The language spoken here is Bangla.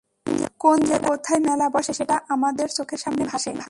কোন জেলায় কবে কোথায় মেলা বসে, সেটা আমাদের চোখের সামনে ভাসে।